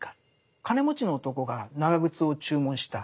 金持ちの男が長靴を注文した。